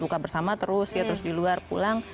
buka bersama terus ya terus di luar pulang